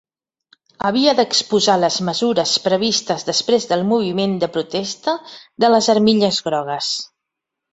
Havia d'exposar les mesures previstes després del moviment de protesta de les armilles grogues.